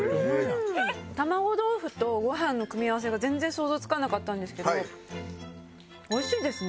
玉子豆腐とご飯の組み合わせが全然想像つかなかったんですけど美味しいですね。